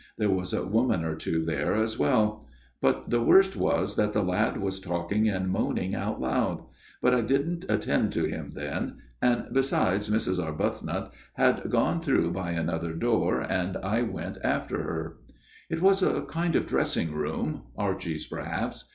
There was a woman or two there as well. " But the worst was that the lad was talking and moaning out loud ; but I didn't attend to him then, and, besides, Mrs. Arbuthnot had gone through by another door and I went after her. " It was a kind of dressing room Archie's perhaps.